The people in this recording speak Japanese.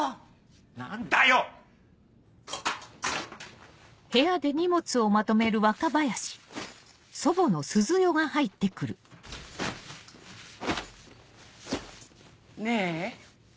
何だよ！ねぇ。